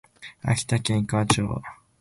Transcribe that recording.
秋田県井川町